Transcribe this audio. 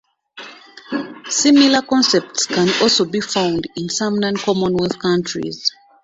Similar concepts can also be found in some non-Commonwealth countries.